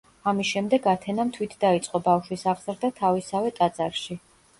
ამის შემდეგ ათენამ თვით დაიწყო ბავშვის აღზრდა თავისსავე ტაძარში.